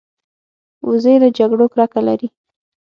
وزې له جګړو کرکه لري